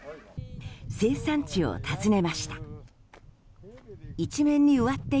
生産地を訪ねました。